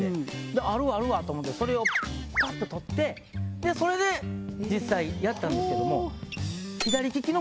あるあるって思ってそれをパッと取ってそれで実際やったんですけども。